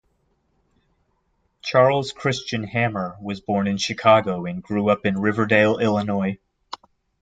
Charles Christian Hammer was born in Chicago and grew up in Riverdale, Illinois.